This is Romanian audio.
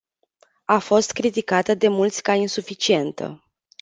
A fost criticată de mulți ca insuficientă.